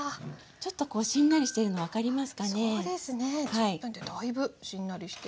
１０分ってだいぶしんなりしています。